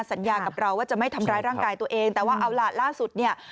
สัญญากับเราว่าจะไม่ทำร้ายร่างกายตัวเองแต่ว่าเอาล่ะล่าสุดเนี่ย